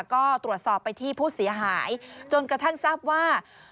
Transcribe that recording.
ก็ตรวจสอบไปที่ผู้เสียหายจนกระทั่งทราบว่า